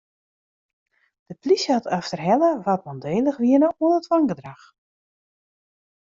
De polysje hat efterhelle wa't mandélich wiene oan it wangedrach.